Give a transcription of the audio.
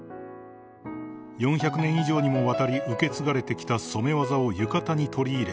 ［４００年以上にもわたり受け継がれてきた染め技を浴衣に取り入れ